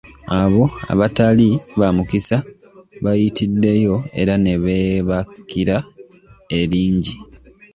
Abo abatali "ba mukisa" bayitiddeyo era ne beebakira eringi.